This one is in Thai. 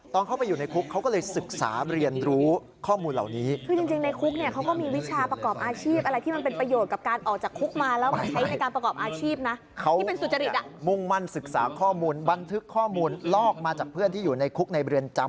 ตอนเข้าไปอยู่ในคุกเขาก็เลยศึกษาเรียนรู้ข้อมูลเหล่านี้